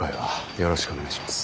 よろしくお願いします。